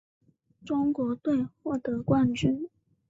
中国队获得冠军。